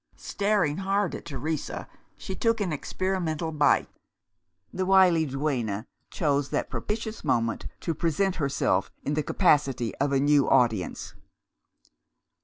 Staring hard at Teresa, she took an experimental bite. The wily duenna chose that propitious moment to present herself in the capacity of a new audience.